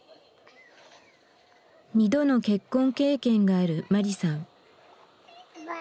２度の結婚経験があるマリさん。